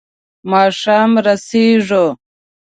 ماښام رسېږو.